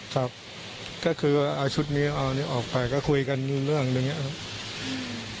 ครับถ้าคือเอาชุดนี้เอาอันนี้ออกไปก็คุยกันด้วยเรื่องด้วยเงี้ยครับอืม